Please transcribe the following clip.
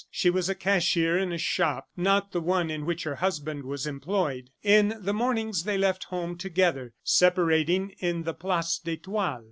She was a cashier in a shop not the one in which her husband was employed. In the mornings they left home together, separating in the Place d'Etoile.